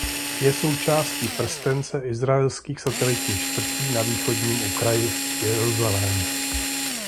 Je součástí prstence izraelských satelitních čtvrtí na východním okraji Jeruzalému.